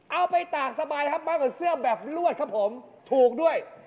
เอาไปตากสบายครับมากกว่าเสื้อแบบลวดครับผมถูกด้วย